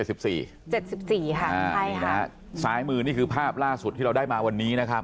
ใช่นะฮะซ้ายมือนี่คือภาพล่าสุดที่เราได้มาวันนี้นะครับ